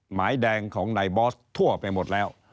หมายแดงของนายบอสทั่วไปหมดแล้ว